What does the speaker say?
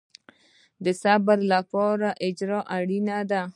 د صبر لپاره اجر اړین دی